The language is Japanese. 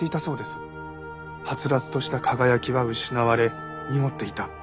はつらつとした輝きは失われ濁っていた。